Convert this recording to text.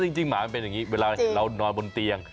จริงหมามันเป็นอย่างนี้เวลาเรานอนบนเตียง